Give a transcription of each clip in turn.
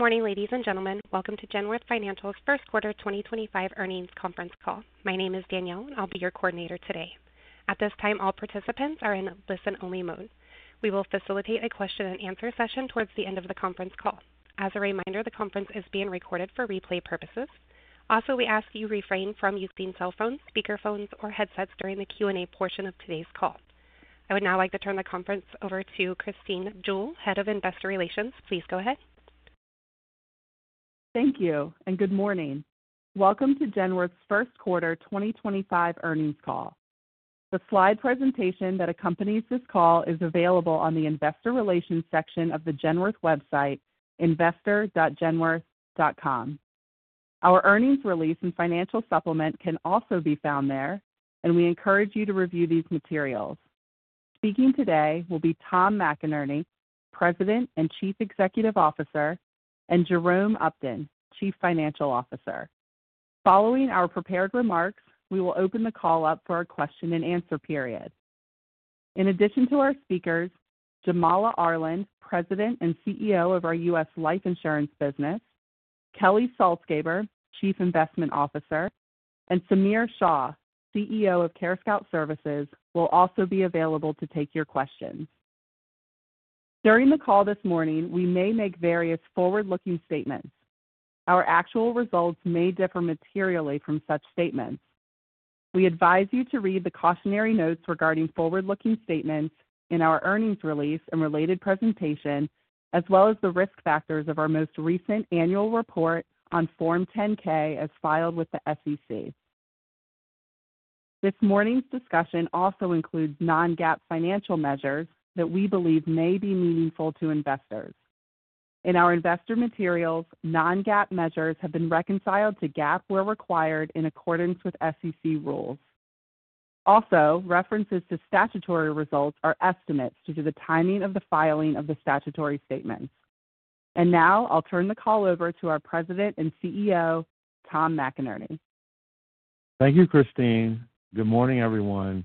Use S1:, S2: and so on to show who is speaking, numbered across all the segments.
S1: Good morning, ladies and gentlemen. Welcome to Genworth Financial's Q1 2025 Earnings Conference Call. My name is Danielle, and I'll be your coordinator today. At this time, all participants are in listen-only mode. We will facilitate a question-and-answer session towards the end of the conference call. As a reminder, the conference is being recorded for replay purposes. Also, we ask that you refrain from using cell phones, speakerphones, or headsets during the Q&A portion of today's call. I would now like to turn the conference over to Christine Jewell, Head of Investor Relations. Please go ahead.
S2: Thank you, and good morning. Welcome to Genworth's Q1 2025 Earnings Call. The slide presentation that accompanies this call is available on the Investor Relations section of the Genworth website, investor.genworth.com. Our earnings release and financial supplement can also be found there, and we encourage you to review these materials. Speaking today will be Tom McInerney, President and Chief Executive Officer, and Jerome Upton, Chief Financial Officer. Following our prepared remarks, we will open the call up for our question-and-answer period. In addition to our speakers, Jamala Arland, President and CEO of our U.S. life insurance business; Kelly Salzgeber, Chief Investment Officer; and Samir Shah, CEO of CareScout Services, will also be available to take your questions. During the call this morning, we may make various forward-looking statements. Our actual results may differ materially from such statements. We advise you to read the cautionary notes regarding forward-looking statements in our earnings release and related presentation, as well as the risk factors of our most recent annual report on Form 10-K as filed with the SEC. This morning's discussion also includes non-GAAP financial measures that we believe may be meaningful to investors. In our investor materials, non-GAAP measures have been reconciled to GAAP where required in accordance with SEC rules. Also, references to statutory results are estimates due to the timing of the filing of the statutory statements. Now, I'll turn the call over to our President and CEO, Tom McInerney.
S3: Thank you, Christine. Good morning, everyone,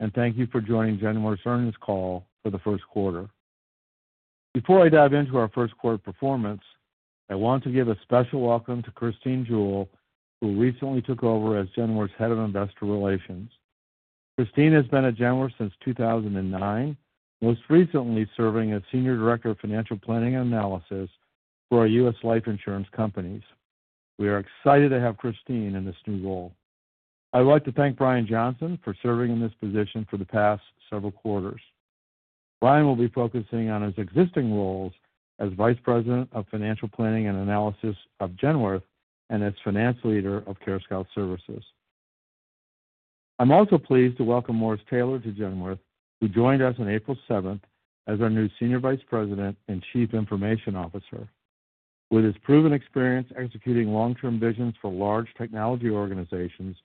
S3: and thank you for joining Genworth's Earnings Call for the Q1. Before I dive into our Q1 performance, I want to give a special welcome to Christine Jewell, who recently took over as Genworth's Head of Investor Relations. Christine has been at Genworth since 2009, most recently serving as Senior Director of Financial Planning and Analysis for our U.S. life insurance companies. We are excited to have Christine in this new role. I'd like to thank Brian Johnson for serving in this position for the past several quarters. Brian will be focusing on his existing roles as Vice President of Financial Planning and Analysis of Genworth and as Finance Leader of CareScout Services. I'm also pleased to welcome Morris Taylor to Genworth, who joined us on April 7 as our new Senior Vice President and Chief Information Officer. With his proven experience executing long-term visions for large technology organizations,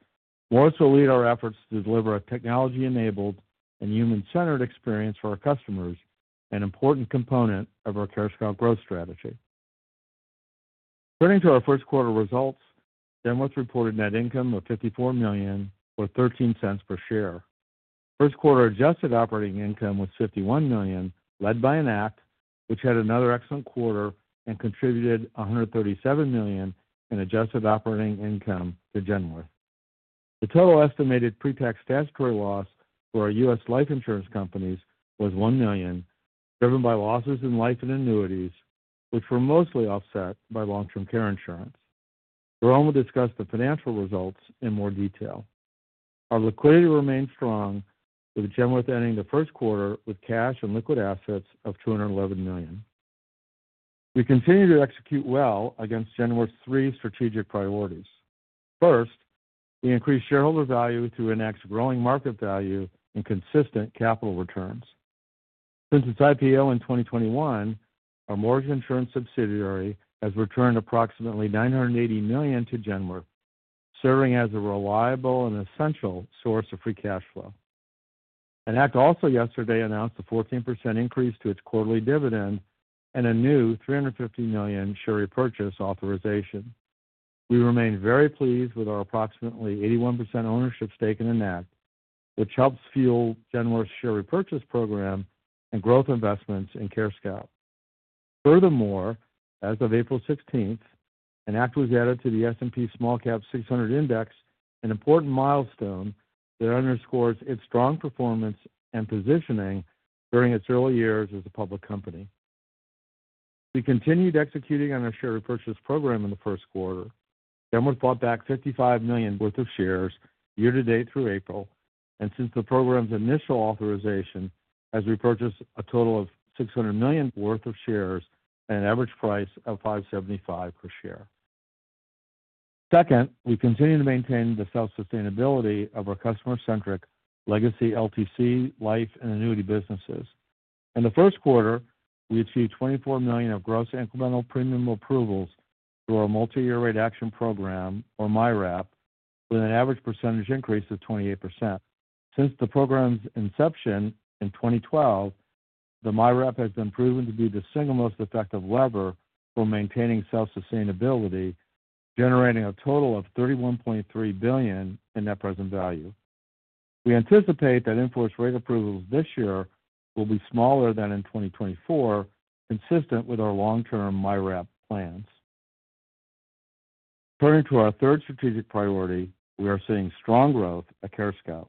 S3: Morris will lead our efforts to deliver a technology-enabled and human-centered experience for our customers, an important component of our CareScout growth strategy. Turning to our Q1 results, Genworth reported net income of $54.13 per share. Q1 adjusted operating income was $51 million, led by Enact, which had another excellent quarter and contributed $137 million in adjusted operating income to Genworth. The total estimated pre-tax statutory loss for our U.S. life insurance companies was $1 million, driven by losses in life and annuities, which were mostly offset by long-term care insurance. Jerome will discuss the financial results in more detail. Our liquidity remained strong, with Genworth ending the Q1 with cash and liquid assets of $211 million. We continue to execute well against Genworth's three strategic priorities. First, we increased shareholder value through Enact's growing market value and consistent capital returns. Since its IPO in 2021, our mortgage insurance subsidiary has returned approximately $980 million to Genworth, serving as a reliable and essential source of free cash flow. Enact also yesterday announced a 14% increase to its quarterly dividend and a new $350 million share repurchase authorization. We remain very pleased with our approximately 81% ownership stake in Enact, which helps fuel Genworth's share repurchase program and growth investments in CareScout. Furthermore, as of April 16th, Enact was added to the S&P Small Cap 600 Index, an important milestone that underscores its strong performance and positioning during its early years as a public company. We continued executing on our share repurchase program in the Q1. Genworth bought back $55 million worth of shares year-to-date through April, and since the program's initial authorization, has repurchased a total of $600 million worth of shares at an average price of $575 per share. Second, we continue to maintain the self-sustainability of our customer-centric legacy LTC, life, and annuity businesses. In the Q1, we achieved $24 million of gross incremental premium approvals through our multi-year rate action program, or MYRAP, with an average percentage increase of 28%. Since the program's inception in 2012, the MYRAP has been proven to be the single most effective lever for maintaining self-sustainability, generating a total of $31.3 billion in net present value. We anticipate that in force rate approvals this year will be smaller than in 2024, consistent with our long-term MYRAP plans. Turning to our third strategic priority, we are seeing strong growth at CareScout.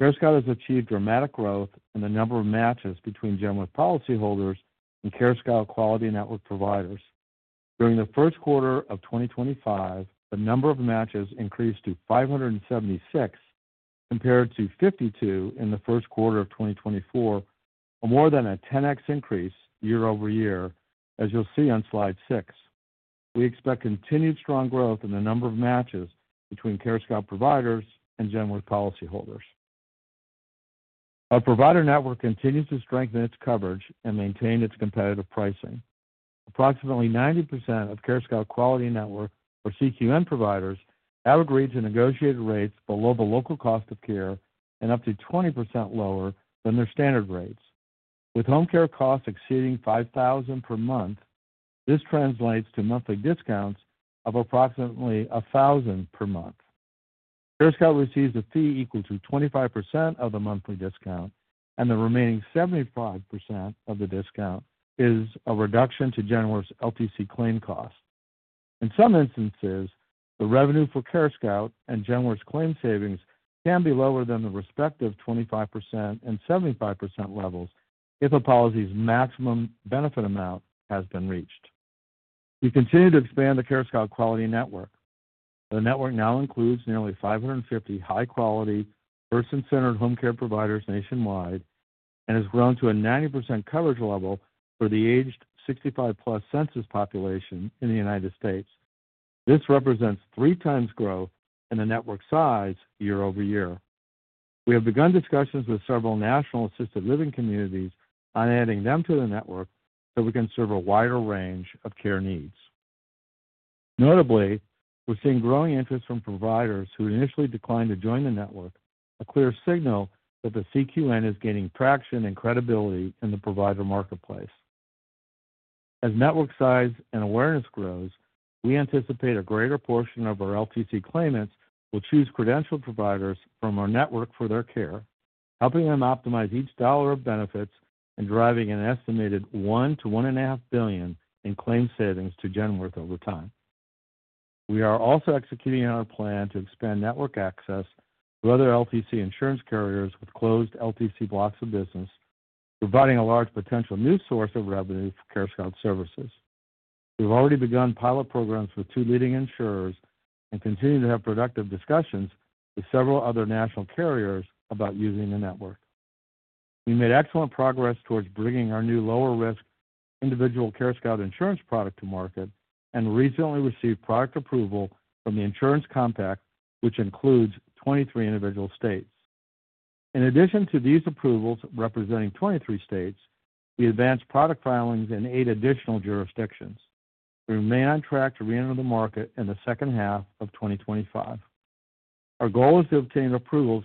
S3: CareScout has achieved dramatic growth in the number of matches between Genworth policyholders and CareScout Quality Network providers. During the Q1 of 2025, the number of matches increased to 576, compared to 52 in the Q1 of 2024, a more than 10X increase year-over-year, as you'll see on slide 6. We expect continued strong growth in the number of matches between CareScout providers and Genworth policyholders. Our provider network continues to strengthen its coverage and maintain its competitive pricing. Approximately 90% of CareScout Quality Network, or CQN, providers have agreed to negotiated rates below the local cost of care and up to 20% lower than their standard rates. With home care costs exceeding $5,000 per month, this translates to monthly discounts of approximately $1,000 per month. CareScout receives a fee equal to 25% of the monthly discount, and the remaining 75% of the discount is a reduction to Genworth's LTC claim cost. In some instances, the revenue for CareScout and Genworth's claim savings can be lower than the respective 25% and 75% levels if a policy's maximum benefit amount has been reached. We continue to expand the CareScout Quality Network. The network now includes nearly 550 high-quality, person-centered home care providers nationwide and has grown to a 90% coverage level for the aged 65-plus census population in the United States. This represents three times growth in the network size year-over-year. We have begun discussions with several national assisted living communities on adding them to the network so we can serve a wider range of care needs. Notably, we're seeing growing interest from providers who initially declined to join the network, a clear signal that the CQN is gaining traction and credibility in the provider marketplace. As network size and awareness grows, we anticipate a greater portion of our LTC claimants will choose credentialed providers from our network for their care, helping them optimize each dollar of benefits and driving an estimated $1-$1.5 billion in claim savings to Genworth over time. We are also executing on our plan to expand network access to other LTC insurance carriers with closed LTC blocks of business, providing a large potential new source of revenue for CareScout Services. We've already begun pilot programs with two leading insurers and continue to have productive discussions with several other national carriers about using the network. We made excellent progress towards bringing our new lower-risk individual CareScout insurance product to market and recently received product approval from the Insurance Compact, which includes 23 individual states. In addition to these approvals representing 23 states, we advanced product filings in eight additional jurisdictions. We remain on track to re-enter the market in the second half of 2025. Our goal is to obtain approvals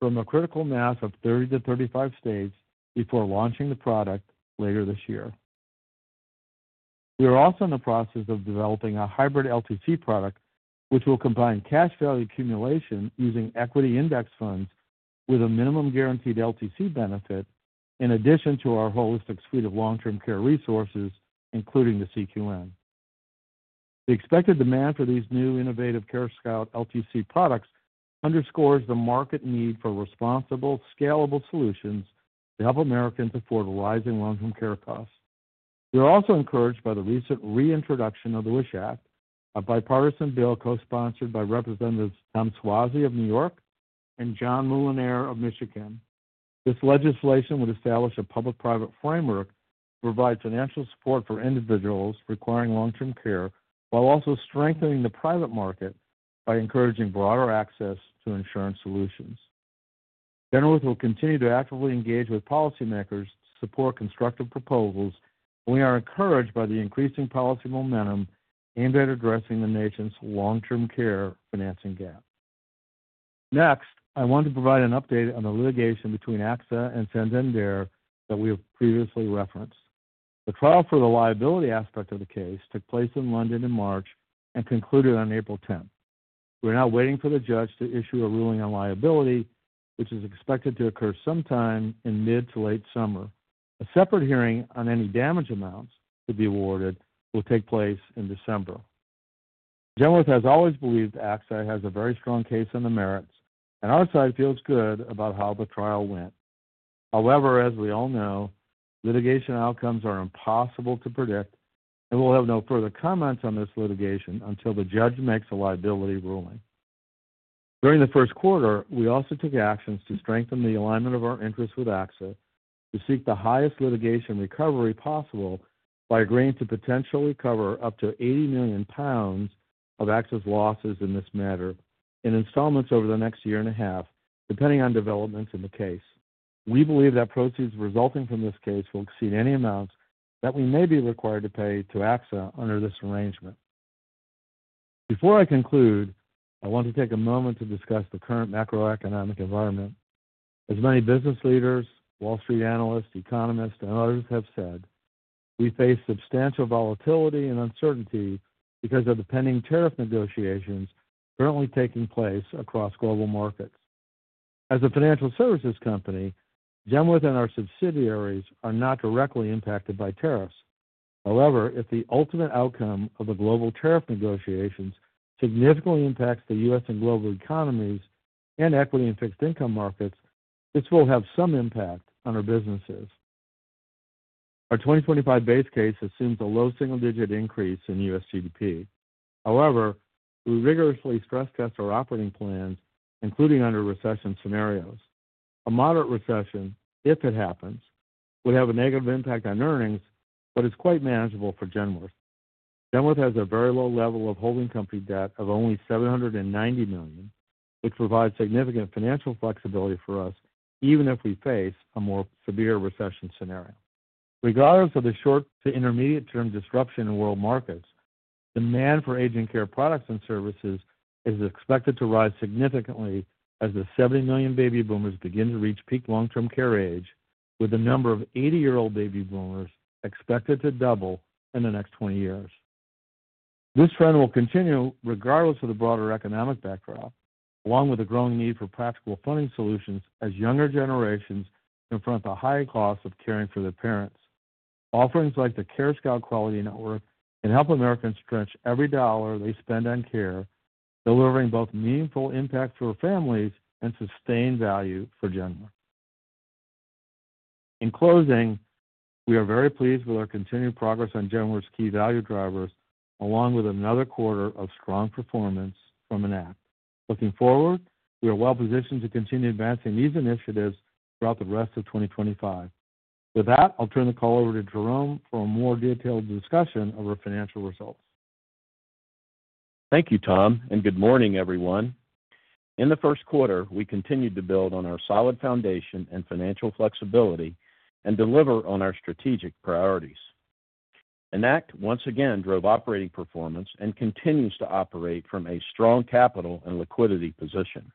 S3: from a critical mass of 30-35 states before launching the product later this year. We are also in the process of developing a hybrid LTC product, which will combine cash value accumulation using equity index funds with a minimum guaranteed LTC benefit, in addition to our holistic suite of long-term care resources, including the CQN. The expected demand for these new innovative CareScout LTC products underscores the market need for responsible, scalable solutions to help Americans afford rising long-term care costs. We're also encouraged by the recent reintroduction of the WISH Act, a bipartisan bill co-sponsored by Representatives Tom Suozzi of New York and John Moolenaar of Michigan. This legislation would establish a public-private framework to provide financial support for individuals requiring long-term care, while also strengthening the private market by encouraging broader access to insurance solutions. Genworth will continue to actively engage with policymakers to support constructive proposals, and we are encouraged by the increasing policy momentum aimed at addressing the nation's long-term care financing gap. Next, I want to provide an update on the litigation between AXA and Genworth that we have previously referenced. The trial for the liability aspect of the case took place in London in March and concluded on 10 April. We're now waiting for the judge to issue a ruling on liability, which is expected to occur sometime in mid to late summer. A separate hearing on any damage amounts to be awarded will take place in December. Genworth has always believed AXA has a very strong case on the merits, and our side feels good about how the trial went. However, as we all know, litigation outcomes are impossible to predict, and we'll have no further comments on this litigation until the judge makes a liability ruling. During the Q1, we also took actions to strengthen the alignment of our interests with AXA to seek the highest litigation recovery possible by agreeing to potentially cover up to 80 million pounds of AXA's losses in this matter in installments over the next year and a half, depending on developments in the case. We believe that proceeds resulting from this case will exceed any amounts that we may be required to pay to AXA under this arrangement. Before I conclude, I want to take a moment to discuss the current macroeconomic environment. As many business leaders, Wall Street analysts, economists, and others have said, we face substantial volatility and uncertainty because of the pending tariff negotiations currently taking place across global markets. As a financial services company, Genworth and our subsidiaries are not directly impacted by tariffs. However, if the ultimate outcome of the global tariff negotiations significantly impacts the U.S. and global economies and equity and fixed income markets, this will have some impact on our businesses. Our 2025 base case assumes a low single-digit increase in U.S. GDP. However, we rigorously stress-test our operating plans, including under recession scenarios. A moderate recession, if it happens, would have a negative impact on earnings, but it's quite manageable for Genworth. Genworth has a very low level of holding company debt of only $790 million, which provides significant financial flexibility for us, even if we face a more severe recession scenario. Regardless of the short to intermediate-term disruption in world markets, demand for aging care products and services is expected to rise significantly as the 70 million baby boomers begin to reach peak long-term care age, with the number of 80-year-old baby boomers expected to double in the next 20 years. This trend will continue regardless of the broader economic backdrop, along with the growing need for practical funding solutions as younger generations confront the high cost of caring for their parents. Offerings like the CareScout Quality Network can help Americans stretch every dollar they spend on care, delivering both meaningful impact for families and sustained value for Genworth. In closing, we are very pleased with our continued progress on Genworth's key value drivers, along with another quarter of strong performance from Enact. Looking forward, we are well-positioned to continue advancing these initiatives throughout the rest of 2025. With that, I'll turn the call over to Jerome for a more detailed discussion of our financial results.
S4: Thank you, Tom, and good morning, everyone. In the Q1, we continued to build on our solid foundation and financial flexibility and deliver on our strategic priorities. Enact once again drove operating performance and continues to operate from a strong capital and liquidity position.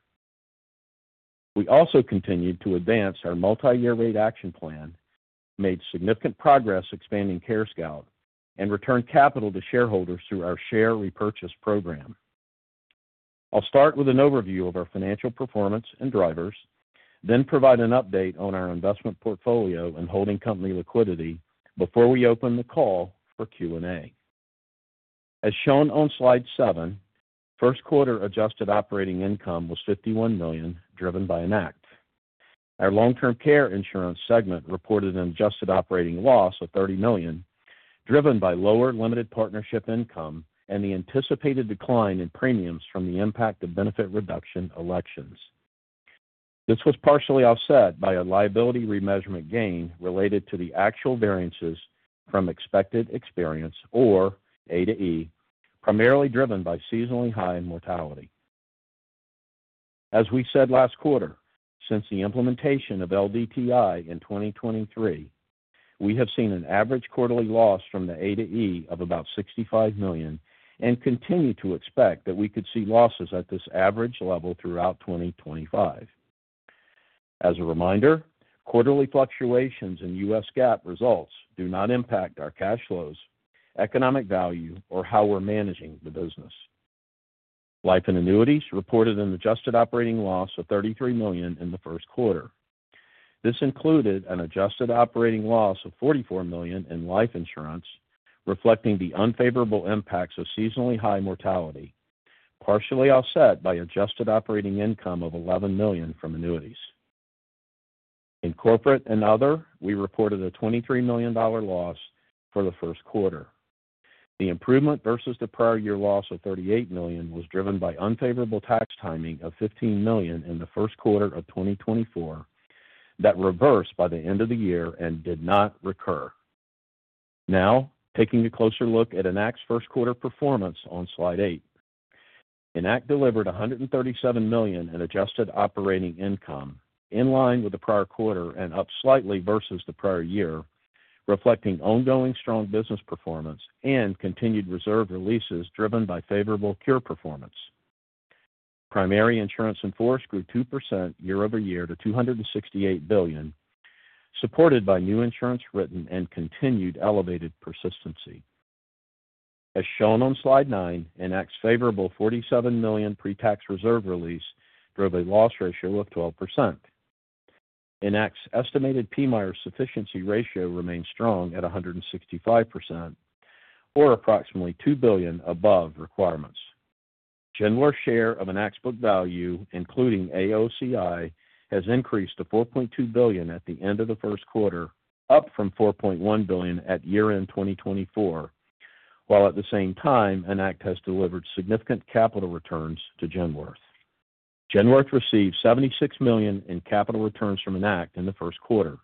S4: We also continued to advance our multi-year rate action plan, made significant progress expanding CareScout, and returned capital to shareholders through our share repurchase program. I'll start with an overview of our financial performance and drivers, then provide an update on our investment portfolio and holding company liquidity before we open the call for Q&A. As shown on slide 7, Q1 adjusted operating income was $51 million, driven by Enact. Our long-term care insurance segment reported an adjusted operating loss of $30 million, driven by lower limited partnership income and the anticipated decline in premiums from the impact of benefit reduction elections. This was partially offset by a liability remeasurement gain related to the actual variances from expected experience, or A to E, primarily driven by seasonally high mortality. As we said last quarter, since the implementation of LDTI in 2023, we have seen an average quarterly loss from the A to E of about $65 million and continue to expect that we could see losses at this average level throughout 2025. As a reminder, quarterly fluctuations in U.S. GAAP results do not impact our cash flows, economic value, or how we're managing the business. Life and annuities reported an adjusted operating loss of $33 million in the Q1. This included an adjusted operating loss of $44 million in life insurance, reflecting the unfavorable impacts of seasonally high mortality, partially offset by adjusted operating income of $11 million from annuities. In corporate and other, we reported a $23 million loss for the Q1. The improvement versus the prior year loss of $38 million was driven by unfavorable tax timing of $15 million in the Q1 of 2024 that reversed by the end of the year and did not recur. Now, taking a closer look at Enact's first quarter performance on slide 8, Enact delivered $137 million in adjusted operating income, in line with the prior quarter and up slightly versus the prior year, reflecting ongoing strong business performance and continued reserve releases driven by favorable cure performance. Primary insurance in force grew 2% year-over-year to $268 billion, supported by new insurance written and continued elevated persistency. As shown on slide 9, Enact's favorable $47 million pre-tax reserve release drove a loss ratio of 12%. Enact's estimated PMIER sufficiency ratio remained strong at 165%, or approximately $2 billion above requirements. Genworth's share of Enact's book value, including AOCI, has increased to $4.2 billion at the end of the Q1, up from $4.1 billion at year-end 2024, while at the same time, Enact has delivered significant capital returns to Genworth. Genworth received $76 million in capital returns from Enact in the Q1.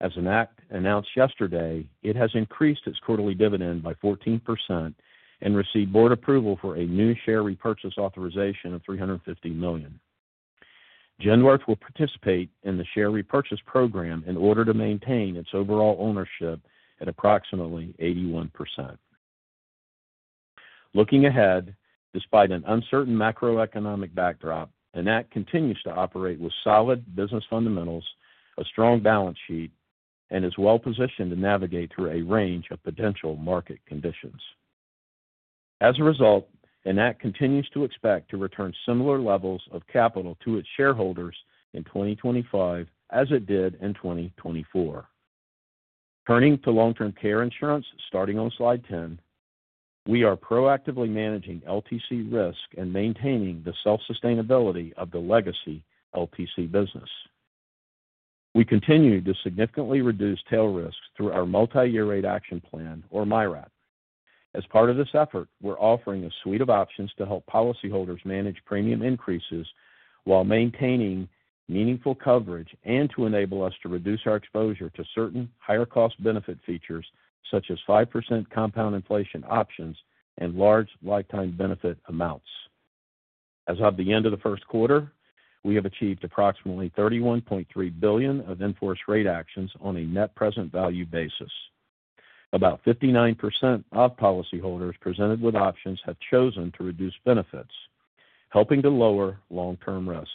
S4: As Enact announced yesterday, it has increased its quarterly dividend by 14% and received board approval for a new share repurchase authorization of $350 million. Genworth will participate in the share repurchase program in order to maintain its overall ownership at approximately 81%. Looking ahead, despite an uncertain macroeconomic backdrop, Enact continues to operate with solid business fundamentals, a strong balance sheet, and is well-positioned to navigate through a range of potential market conditions. As a result, Enact continues to expect to return similar levels of capital to its shareholders in 2025, as it did in 2024. Turning to long-term care insurance, starting on slide 10, we are proactively managing LTC risk and maintaining the self-sustainability of the legacy LTC business. We continue to significantly reduce tail risks through our Multi-Year Rate Action Plan, or MYRAP. As part of this effort, we're offering a suite of options to help policyholders manage premium increases while maintaining meaningful coverage and to enable us to reduce our exposure to certain higher-cost benefit features, such as 5% compound inflation options and large lifetime benefit amounts. As of the end of the first quarter, we have achieved approximately $31.3 billion of enforced rate actions on a net present value basis. About 59% of policyholders presented with options have chosen to reduce benefits, helping to lower long-term risk.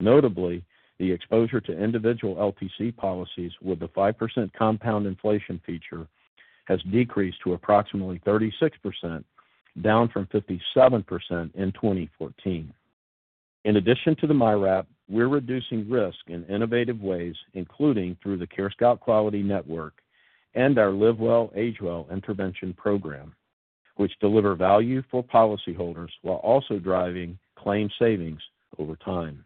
S4: Notably, the exposure to individual LTC policies with the 5% compound inflation feature has decreased to approximately 36%, down from 57% in 2014. In addition to the MYRAP, we're reducing risk in innovative ways, including through the CareScout Quality Network and our Live Well, Age Well intervention program, which deliver value for policyholders while also driving claim savings over time.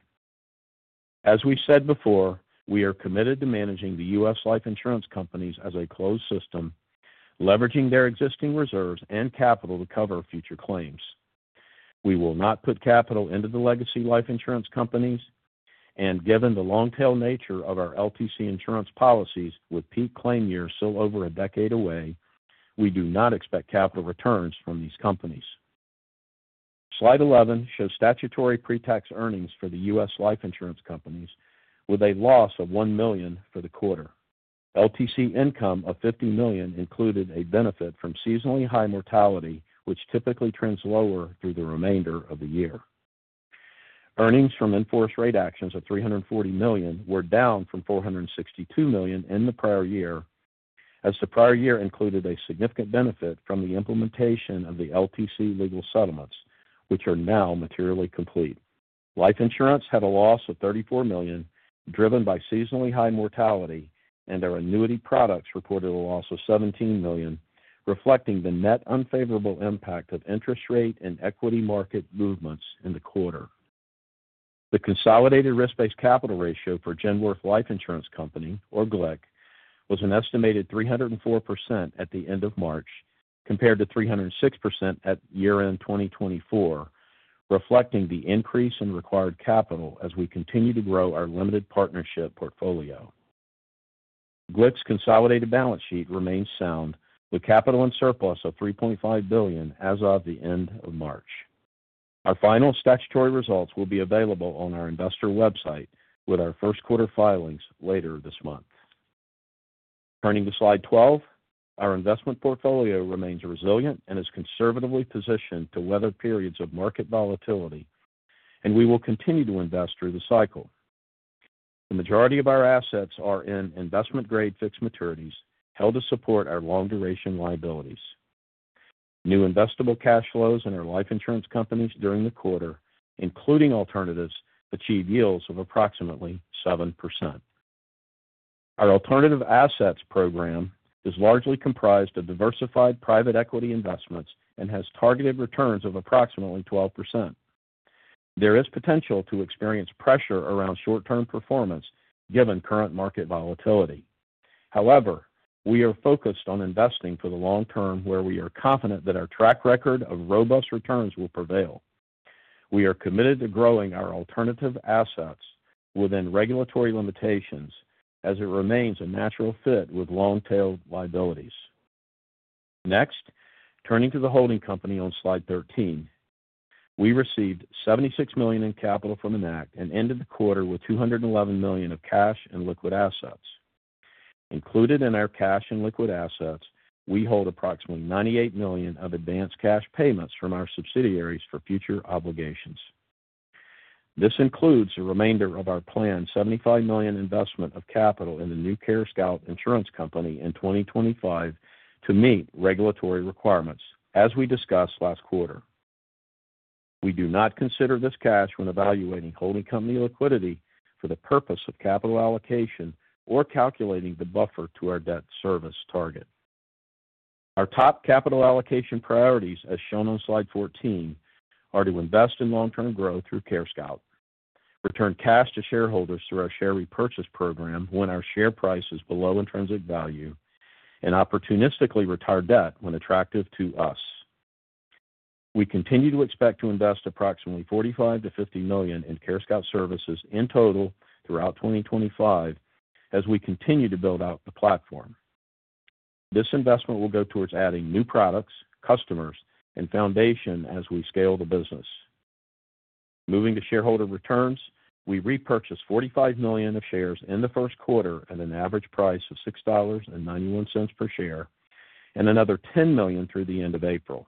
S4: As we said before, we are committed to managing the U.S. life insurance companies as a closed system, leveraging their existing reserves and capital to cover future claims. We will not put capital into the legacy life insurance companies, and given the long-tail nature of our LTC insurance policies with peak claim years still over a decade away, we do not expect capital returns from these companies. Slide 11 shows statutory pre-tax earnings for the U.S. life insurance companies, with a loss of $1 million for the quarter. LTC income of $50 million included a benefit from seasonally high mortality, which typically trends lower through the remainder of the year. Earnings from enforced rate actions of $340 million were down from $462 million in the prior year, as the prior year included a significant benefit from the implementation of the LTC legal settlements, which are now materially complete. Life insurance had a loss of $34 million, driven by seasonally high mortality, and our annuity products reported a loss of $17 million, reflecting the net unfavorable impact of interest rate and equity market movements in the quarter. The consolidated risk-based capital ratio for Genworth Life Insurance Company, or GLIC, was an estimated 304% at the end of March, compared to 306% at year-end 2024, reflecting the increase in required capital as we continue to grow our limited partnership portfolio. GLIC's consolidated balance sheet remains sound, with capital in surplus of $3.5 billion as of the end of March. Our final statutory results will be available on our investor website with our Q1 filings later this month. Turning to slide 12, our investment portfolio remains resilient and is conservatively positioned to weather periods of market volatility, and we will continue to invest through the cycle. The majority of our assets are in investment-grade fixed maturities held to support our long-duration liabilities. New investable cash flows in our life insurance companies during the quarter, including alternatives, achieve yields of approximately 7%. Our alternative assets program is largely comprised of diversified private equity investments and has targeted returns of approximately 12%. There is potential to experience pressure around short-term performance given current market volatility. However, we are focused on investing for the long term where we are confident that our track record of robust returns will prevail. We are committed to growing our alternative assets within regulatory limitations as it remains a natural fit with long-tail liabilities. Next, turning to the holding company on slide 13, we received $76 million in capital from Enact and ended the quarter with $211 million of cash and liquid assets. Included in our cash and liquid assets, we hold approximately $98 million of advance cash payments from our subsidiaries for future obligations. This includes the remainder of our planned $75 million investment of capital in the new CareScout insurance company in 2025 to meet regulatory requirements, as we discussed last quarter. We do not consider this cash when evaluating holding company liquidity for the purpose of capital allocation or calculating the buffer to our debt service target. Our top capital allocation priorities, as shown on slide 14, are to invest in long-term growth through CareScout, return cash to shareholders through our share repurchase program when our share price is below intrinsic value, and opportunistically retire debt when attractive to us. We continue to expect to invest approximately $45-$50 million in CareScout Services in total throughout 2025 as we continue to build out the platform. This investment will go towards adding new products, customers, and foundation as we scale the business. Moving to shareholder returns, we repurchased $45 million of shares in the Q1 at an average price of $6.91 per share and another $10 million through the end of April.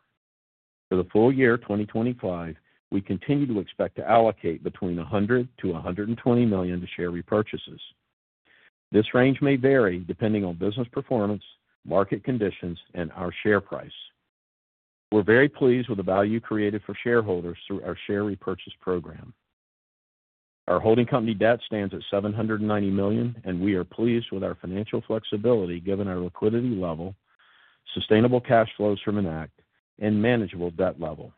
S4: For the full year 2025, we continue to expect to allocate between $100-$120 million to share repurchases. This range may vary depending on business performance, market conditions, and our share price. We're very pleased with the value created for shareholders through our share repurchase program. Our holding company debt stands at $790 million, and we are pleased with our financial flexibility given our liquidity level, sustainable cash flows from an ACT, and manageable debt level.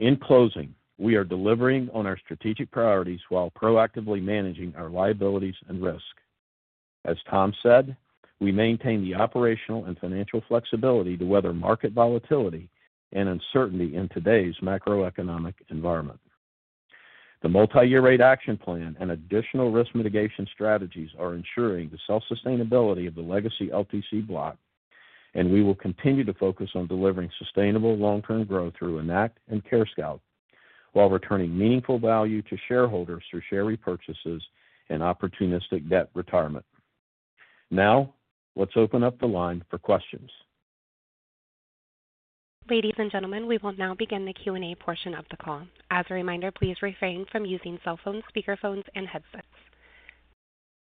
S4: In closing, we are delivering on our strategic priorities while proactively managing our liabilities and risk. As Tom said, we maintain the operational and financial flexibility to weather market volatility and uncertainty in today's macroeconomic environment. The Multi-Year Rate Action Plan and additional risk mitigation strategies are ensuring the self-sustainability of the legacy LTC block, and we will continue to focus on delivering sustainable long-term growth through an ACT and CareScout while returning meaningful value to shareholders through share repurchases and opportunistic debt retirement. Now, let's open up the line for questions.
S1: Ladies and gentlemen, we will now begin the Q&A portion of the call. As a reminder, please refrain from using cell phones, speakerphones, and headsets.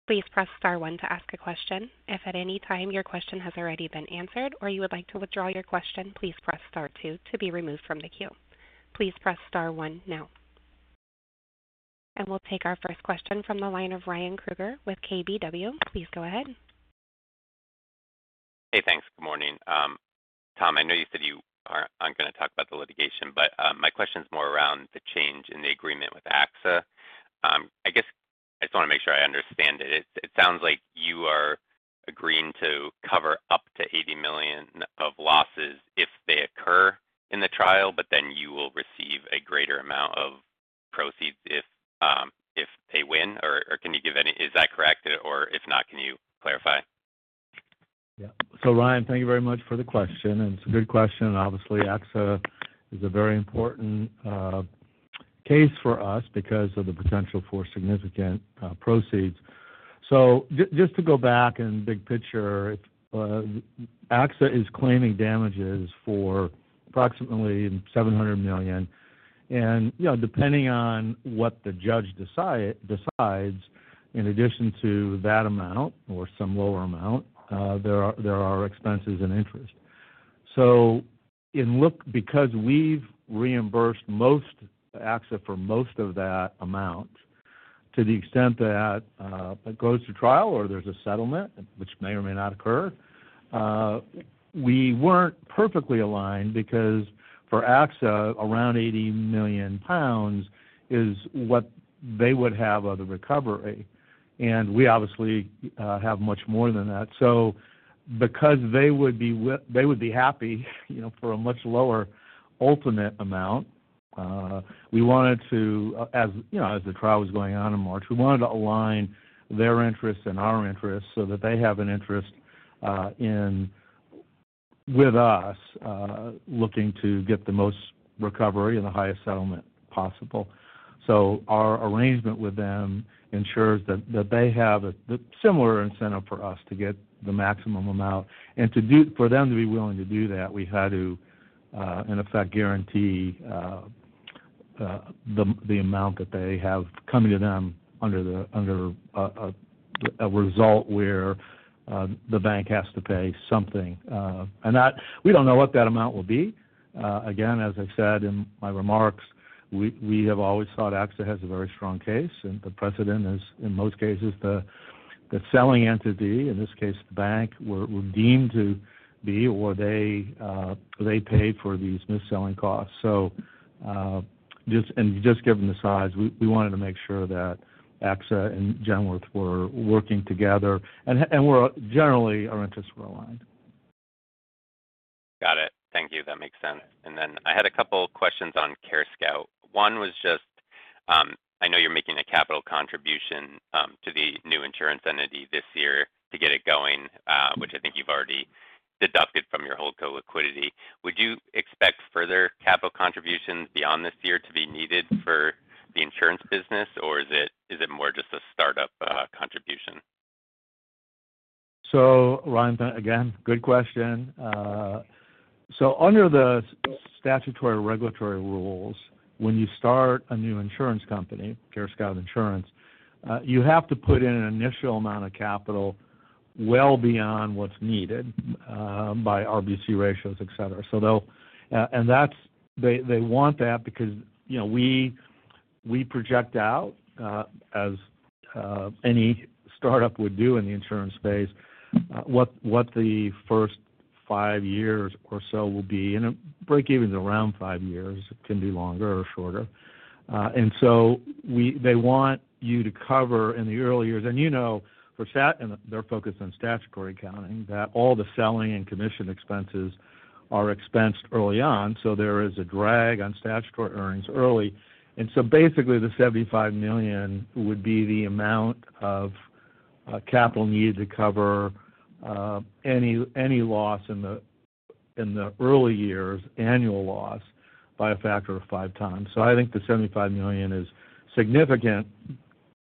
S1: Please press Star 1 to ask a question. If at any time your question has already been answered or you would like to withdraw your question, please press Star 2 to be removed from the queue. Please press Star 1 now. We will take our first question from the line of Ryan Krueger with KBW. Please go ahead.
S5: Hey, thanks. Good morning. Tom, I know you said you aren't going to talk about the litigation, but my question is more around the change in the agreement with AXA. I guess I just want to make sure I understand it. It sounds like you are agreeing to cover up to $80 million of losses if they occur in the trial, but then you will receive a greater amount of proceeds if they win. Can you give any—is that correct? If not, can you clarify?
S3: Yeah. Ryan, thank you very much for the question. It's a good question. Obviously, AXA is a very important case for us because of the potential for significant proceeds. Just to go back and big picture, AXA is claiming damages for approximately $700 million. Depending on what the judge decides, in addition to that amount or some lower amount, there are expenses and interest. Because we've reimbursed AXA for most of that amount, to the extent that it goes to trial or there's a settlement, which may or may not occur, we weren't perfectly aligned because for AXA, around $80 million is what they would have of the recovery. We obviously have much more than that. Because they would be happy for a much lower ultimate amount, we wanted to, as the trial was going on in March, align their interests and our interests so that they have an interest with us looking to get the most recovery and the highest settlement possible. Our arrangement with them ensures that they have a similar incentive for us to get the maximum amount. For them to be willing to do that, we had to, in effect, guarantee the amount that they have coming to them under a result where the bank has to pay something. We do not know what that amount will be. Again, as I said in my remarks, we have always thought AXA has a very strong case, and the precedent is, in most cases, the selling entity, in this case, the bank, were deemed to be, or they paid for these mis-selling costs. Just given the size, we wanted to make sure that AXA and Genworth were working together, and generally, our interests were aligned.
S5: Got it. Thank you. That makes sense. I had a couple of questions on CareScout. One was just, I know you're making a capital contribution to the new insurance entity this year to get it going, which I think you've already deducted from your whole co-liquidity. Would you expect further capital contributions beyond this year to be needed for the insurance business, or is it more just a startup contribution?
S3: Ryan, again, good question. Under the statutory regulatory rules, when you start a new insurance company, CareScout Insurance, you have to put in an initial amount of capital well beyond what's needed by RBC ratios, etc. They want that because we project out, as any startup would do in the insurance space, what the first five years or so will be. Breakevens are around five years. It can be longer or shorter. They want you to cover in the early years. You know, they're focused on statutory accounting, that all the selling and commission expenses are expensed early on, so there is a drag on statutory earnings early. Basically, the $75 million would be the amount of capital needed to cover any loss in the early years, annual loss, by a factor of five times. I think the $75 million is significant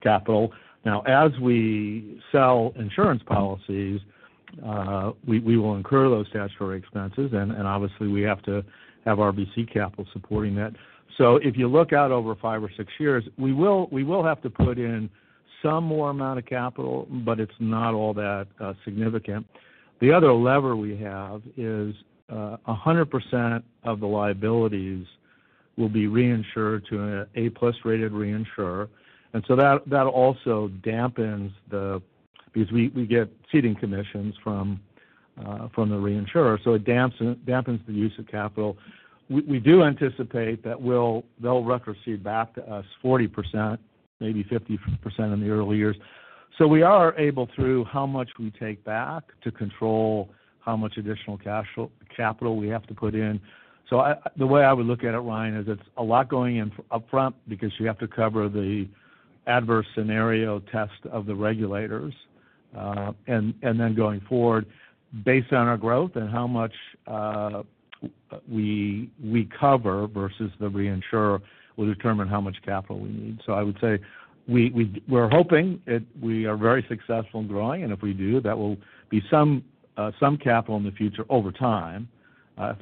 S3: capital. Now, as we sell insurance policies, we will incur those statutory expenses, and obviously, we have to have RBC capital supporting that. If you look out over five or six years, we will have to put in some more amount of capital, but it is not all that significant. The other lever we have is 100% of the liabilities will be reinsured to an A-plus rated reinsurer. That also dampens the—because we get ceding commissions from the reinsurer. It dampens the use of capital. We do anticipate that they will retrocede back to us 40%, maybe 50% in the early years. We are able, through how much we take back, to control how much additional capital we have to put in. The way I would look at it, Ryan, is it's a lot going in upfront because you have to cover the adverse scenario test of the regulators. Then going forward, based on our growth and how much we cover versus the reinsurer, we'll determine how much capital we need. I would say we're hoping we are very successful in growing, and if we do, that will be some capital in the future over time.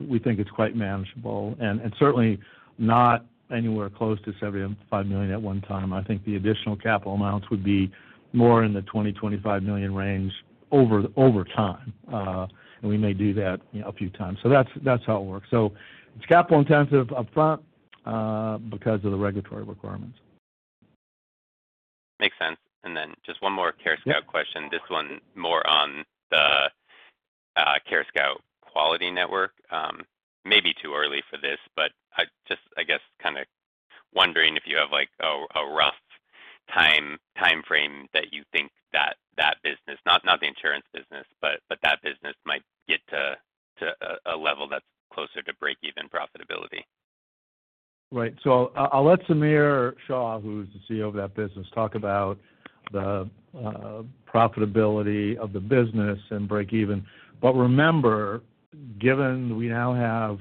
S3: We think it's quite manageable. Certainly, not anywhere close to $75 million at one time. I think the additional capital amounts would be more in the $20-$25 million range over time. We may do that a few times. That's how it works. It's capital intensive upfront because of the regulatory requirements.
S5: Makes sense. Just one more CareScout question. This one more on the CareScout Quality Network. Maybe too early for this, but I guess kind of wondering if you have a rough timeframe that you think that that business—not the insurance business, but that business—might get to a level that's closer to breakeven profitability.
S3: Right. I will let Samir Shah, who's the CEO of that business, talk about the profitability of the business and breakeven. Remember, given we now have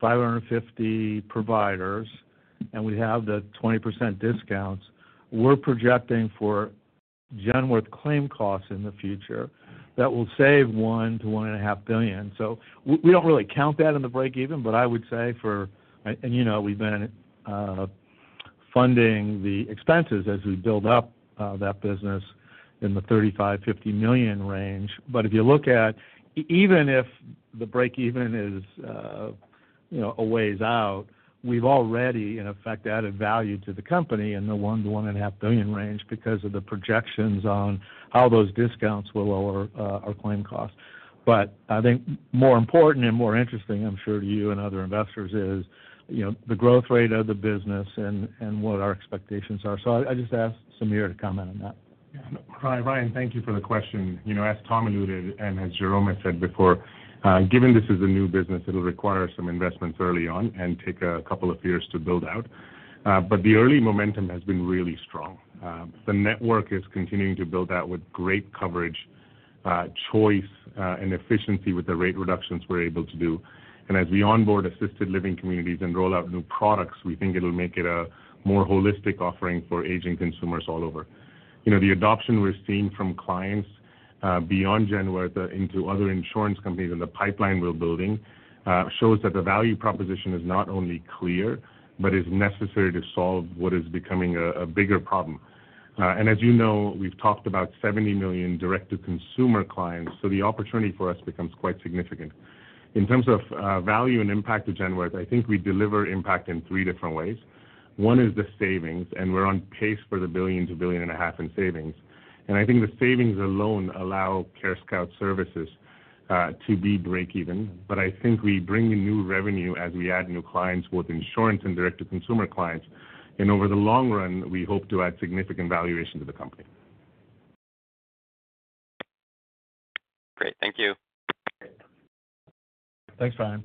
S3: 550 providers and we have the 20% discounts, we're projecting for Genworth claim costs in the future that will save $1 billion to $1.5 billion. We do not really count that in the breakeven, but I would say for—and we've been funding the expenses as we build up that business in the $35 million-$50 million range. If you look at even if the breakeven is a ways out, we've already, in effect, added value to the company in the $1 billion-$1.5 billion range because of the projections on how those discounts will lower our claim costs. I think more important and more interesting, I'm sure, to you and other investors is the growth rate of the business and what our expectations are. I just asked Samir to comment on that.
S6: Ryan, thank you for the question. As Tom alluded and as Jerome had said before, given this is a new business, it'll require some investments early on and take a couple of years to build out. The early momentum has been really strong. The network is continuing to build out with great coverage, choice, and efficiency with the rate reductions we're able to do. As we onboard assisted living communities and roll out new products, we think it'll make it a more holistic offering for aging consumers all over. The adoption we're seeing from clients beyond Genworth into other insurance companies in the pipeline we're building shows that the value proposition is not only clear but is necessary to solve what is becoming a bigger problem. As you know, we've talked about $70 million direct-to-consumer clients, so the opportunity for us becomes quite significant. In terms of value and impact to Genworth, I think we deliver impact in three different ways. One is the savings, and we're on pace for the $1 billion-1.5 billion in savings. I think the savings alone allow CareScout Services to be breakeven. I think we bring in new revenue as we add new clients, both insurance and direct-to-consumer clients. Over the long run, we hope to add significant valuation to the company.
S5: Great. Thank you.
S3: Thanks, Ryan.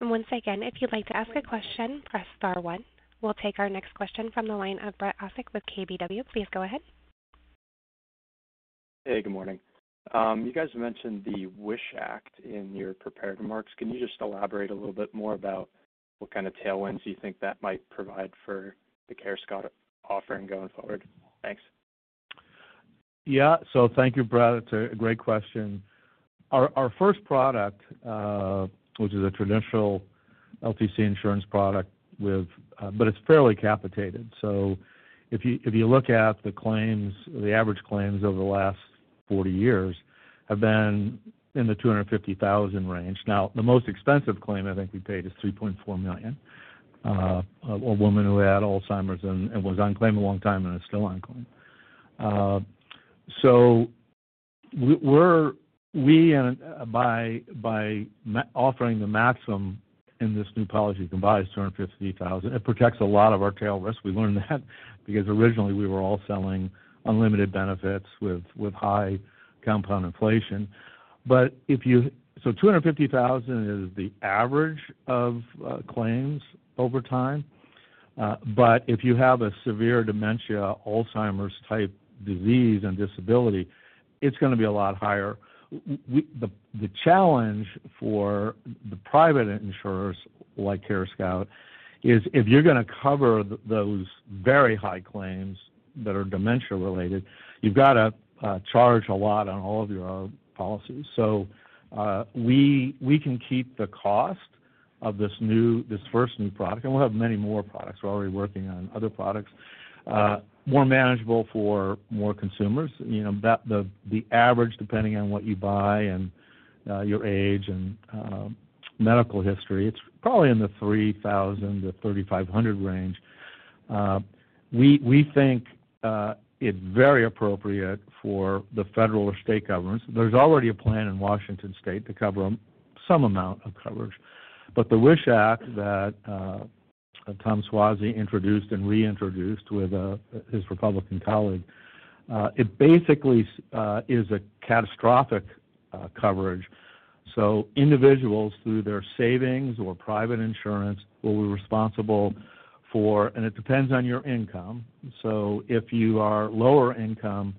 S1: Once again, if you'd like to ask a question, press Star 1. We'll take our next question from the line of Brett Ossick with KBW. Please go ahead.
S7: Hey, good morning. You guys mentioned the WISH Act in your prepared remarks. Can you just elaborate a little bit more about what kind of tailwinds you think that might provide for the CareScout offering going forward? Thanks.
S3: Yeah. Thank you, Brett. It's a great question. Our first product, which is a traditional LTC insurance product, but it's fairly capitated. If you look at the average claims over the last 40 years, have been in the $250,000 range. Now, the most expensive claim I think we paid is $3.4 million of a woman who had Alzheimer's and was unclaimed a long time and is still unclaimed. By offering the maximum in this new policy, can buy is $250,000. It protects a lot of our tail risk. We learned that because originally we were all selling unlimited benefits with high compound inflation. $250,000 is the average of claims over time. If you have a severe dementia, Alzheimer's-type disease, and disability, it's going to be a lot higher. The challenge for the private insurers like CareScout is if you're going to cover those very high claims that are dementia-related, you've got to charge a lot on all of your policies. We can keep the cost of this first new product, and we'll have many more products. We're already working on other products. More manageable for more consumers. The average, depending on what you buy and your age and medical history, it's probably in the $3,000-3,500 range. We think it's very appropriate for the federal or state governments. There is already a plan in Washington state to cover some amount of coverage. The WISH Act that Tom Suozzi introduced and reintroduced with his Republican colleague, it basically is a catastrophic coverage. Individuals, through their savings or private insurance, will be responsible for—and it depends on your income. If you are lower income,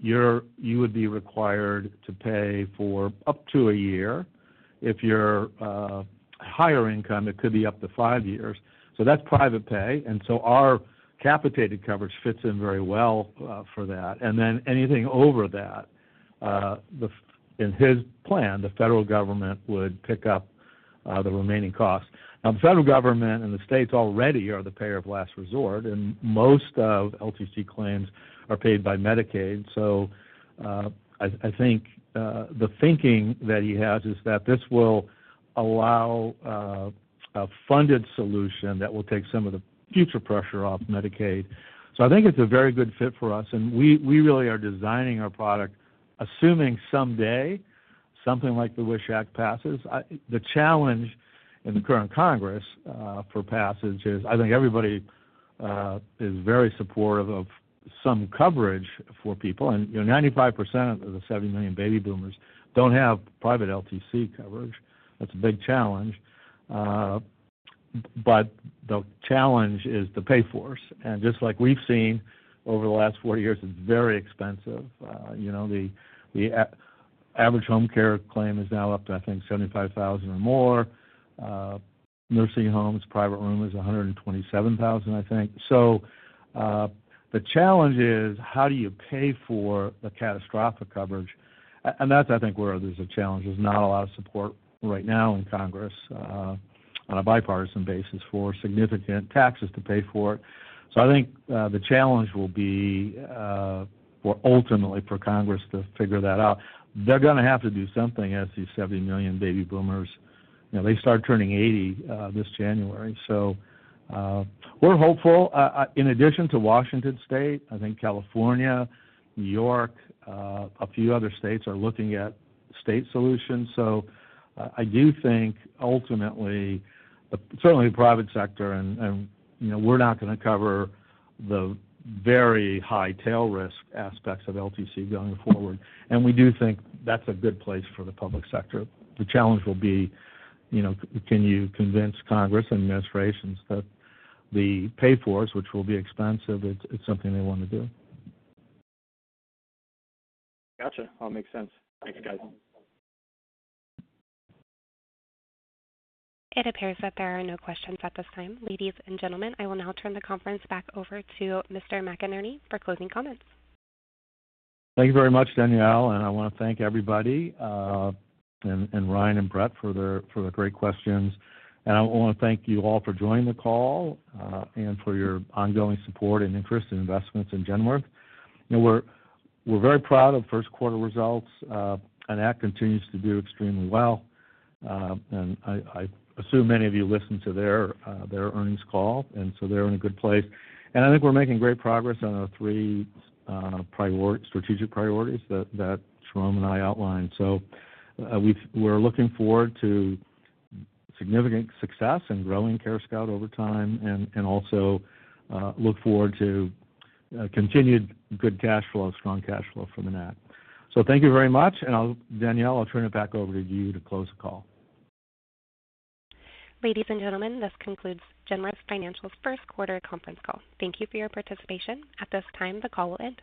S3: you would be required to pay for up to a year. If you are higher income, it could be up to five years. That is private pay. Our capitated coverage fits in very well for that. Anything over that, in his plan, the federal government would pick up the remaining costs. Now, the federal government and the states already are the payer of last resort, and most of LTC claims are paid by Medicaid. I think the thinking that he has is that this will allow a funded solution that will take some of the future pressure off Medicaid. I think it's a very good fit for us. We really are designing our product, assuming someday something like the WISH Act passes. The challenge in the current Congress for passage is I think everybody is very supportive of some coverage for people. 95% of the $70 million baby boomers don't have private LTC coverage. That's a big challenge. The challenge is the payforce. Just like we've seen over the last 40 years, it's very expensive. The average home care claim is now up to, I think, $75,000 or more. Nursing homes, private room is $127,000, I think. The challenge is, how do you pay for the catastrophic coverage? That's, I think, where there's a challenge. There's not a lot of support right now in Congress on a bipartisan basis for significant taxes to pay for it. I think the challenge will be ultimately for Congress to figure that out. They're going to have to do something as these 70 million baby boomers. They start turning 80 this January. We're hopeful. In addition to Washington state, I think California, New York, a few other states are looking at state solutions. I do think ultimately, certainly the private sector, and we're not going to cover the very high tail risk aspects of LTC going forward. We do think that's a good place for the public sector. The challenge will be, can you convince Congress and administrations that the payforce, which will be expensive, is something they want to do? Gotcha. All makes sense. Thanks, guys. It appears that there are no questions at this time. Ladies and gentlemen, I will now turn the conference back over to Mr. McInerney for closing comments. Thank you very much, Danielle. I want to thank everybody, and Ryan, and Brett, for the great questions. I want to thank you all for joining the call and for your ongoing support and interest in investments in Genworth. We are very proud of Q1 results, and that continues to do extremely well. I assume many of you listened to their earnings call, and they are in a good place. I think we are making great progress on our three strategic priorities that Jerome and I outlined. We are looking forward to significant success in growing CareScout over time and also look forward to continued good cash flow, strong cash flow from that. Thank you very much. Danielle, I'll turn it back over to you to close the call.
S1: Ladies and gentlemen, this concludes Genworth Financial's Q1 Conference Call. Thank you for your participation. At this time, the call will end.